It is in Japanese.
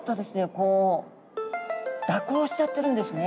こう蛇行しちゃってるんですね。